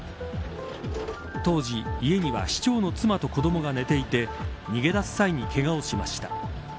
当時、家には市長の妻と子どもが寝ていて逃げ出す際にけがをしました。